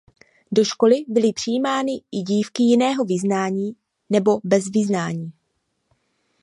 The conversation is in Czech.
Do školy byly přijímány i dívky jiného vyznání nebo bez vyznání.